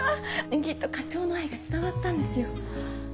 きっと課長の愛が伝わったんですよ。